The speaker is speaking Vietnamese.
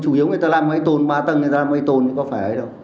chủ yếu người ta làm máy tồn ba tầng người ta làm máy tồn thì có phải ở đâu